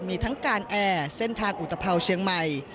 มีทั้งการแอร์เส้นทางอุตภาวเชียงใหม่